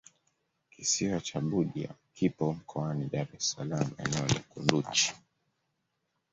kisiwa cha budya kipo mkoani dar es salaam eneo la kunduchi